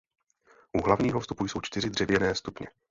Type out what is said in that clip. U hlavního vstupu jsou čtyři dřevěné stupně.